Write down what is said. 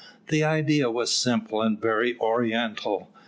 The idea was simple and very oriental.